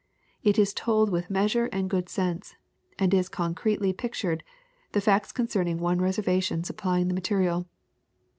It is told with measure and good sense, and is con cretely pictured, the facts concerning one Reservation supplying the material.